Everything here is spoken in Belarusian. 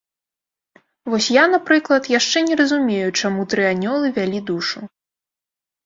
Вось я, напрыклад, яшчэ не разумею, чаму тры анёлы вялі душу.